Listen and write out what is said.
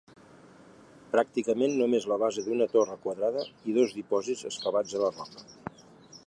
Pràcticament només la base d'una torre quadrada i dos dipòsits excavats a la roca.